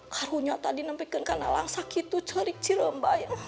karunyata di nempelin kanalang sakit tuh cerik ceram bayang